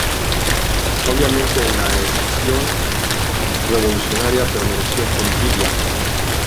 Obviamente, en la escisión revolucionaria permaneció con Villa.